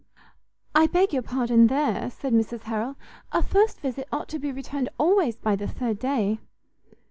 "I beg your pardon there," said Mrs Harrel; "a first visit ought to be returned always by the third day."